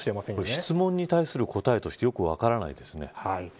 質問に対する答えとしてよく分からないですね。